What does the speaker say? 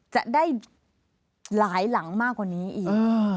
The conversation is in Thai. จะได้หลายหลังมากกว่านี้อีก